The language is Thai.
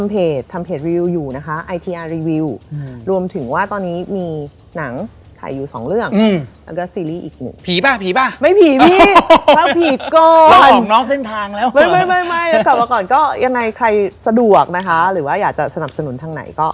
เป็นจริงพี่แจ๊คเป็นพยานนะ